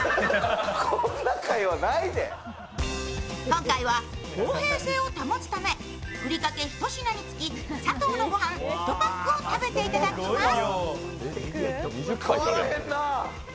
今回は公平性を保つためふりかけ、ひと品につきサトウのごはん１パックを食べていただきます。